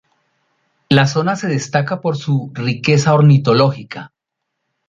La zona se destaca por su riqueza ornitológica.